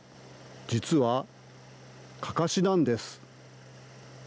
実はかかしなんです。